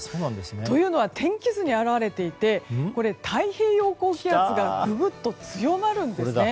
というのは、天気図に表れていて太平洋高気圧がググっと強まるんですね。